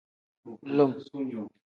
Lim.